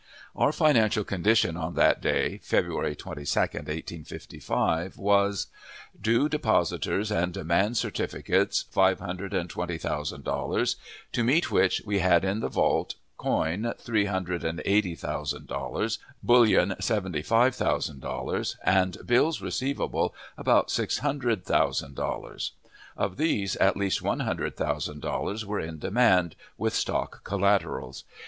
Our financial condition on that day (February 22, 1855) was: Due depositors and demand certificates, five hundred and twenty thousand dollars; to meet which, we had in the vault: coin, three hundred and eighty thousand dollars; bullion, seventy five thousand dollars; and bills receivable, about six hundred thousand dollars. Of these, at least one hundred thousand dollars were on demand, with stock collaterals.